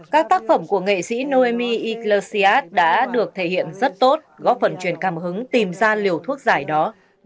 các tác phẩm của nghệ sĩ noemi iglesias đã được thể hiện rất tốt góp phần truyền cảm hứng tìm ra liều thuốc giải đó